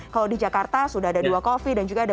kalau di jakarta sudah ada dua coffee dan juga ada